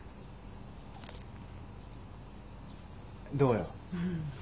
どうよ？